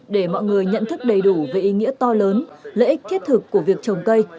để mọi người nhận thức đầy đủ về ý nghĩa to lớn lợi ích thiết thực của việc trồng cây